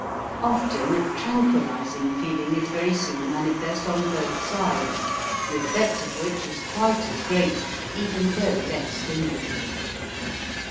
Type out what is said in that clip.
Often a tranquillizing feel ing is very soon manifest on both sides, the effect of which is quite as great, even though less stimulating.